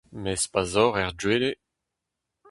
Mes pa'z oc'h er gwele…